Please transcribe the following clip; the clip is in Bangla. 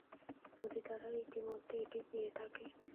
যদি তারা ইতিমধ্যে এটি পেয়ে থাকে?